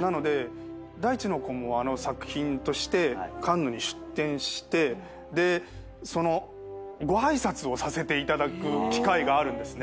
なので『大地の子』も作品としてカンヌに出展してでそのご挨拶をさせていただく機会があるんですね。